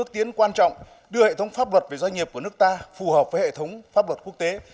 đưa hệ thống pháp luật về doanh nghiệp của nước ta phù hợp với hệ thống pháp luật quốc tế